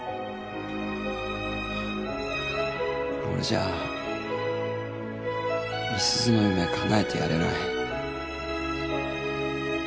俺じゃあ美鈴の夢かなえてやれない。